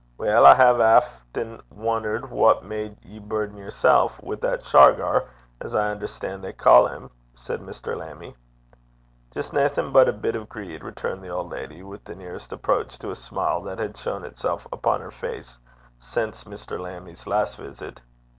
'Weel, I hae aften wonnert what gart ye burden yersel' wi' that Shargar, as I understan' they ca' him,' said Mr. Lammie. 'Jist naething but a bit o' greed,' returned the old lady, with the nearest approach to a smile that had shown itself upon her face since Mr. Lammie's last visit.